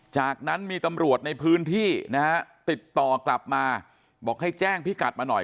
จากนั้นมีตำรวจในพื้นที่นะฮะติดต่อกลับมาบอกให้แจ้งพี่กัดมาหน่อย